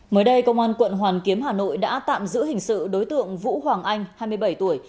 mới đây công an quận hoàn kiếm hà nội đã tạm giữ hình sự đối tượng vũ hoàng anh hai mươi bảy tuổi